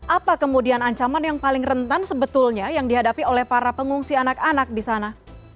apa kemudian ancaman yang paling rentan sebetulnya yang dihadapi oleh para pengungsi anak anak di sana